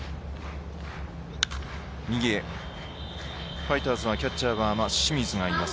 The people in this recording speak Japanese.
ファイターズはキャッチャー清水がいます。